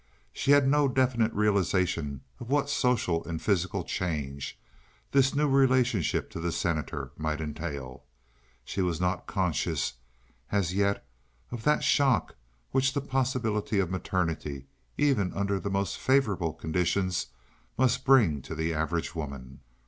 She had no definite realization of what social and physical changes this new relationship to the Senator might entail. She was not conscious as yet of that shock which the possibility of maternity, even under the most favorable conditions, must bring to the average woman.